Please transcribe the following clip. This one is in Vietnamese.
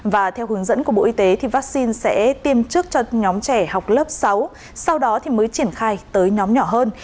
và theo hướng dẫn của bộ y tế thì vaccine sẽ tiêm trước cho nhóm trẻ học lớp sáu sau đó thì mới triển khai tới nhóm nhỏ hơn